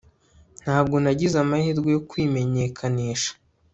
ntabwo nagize amahirwe yo kwimenyekanisha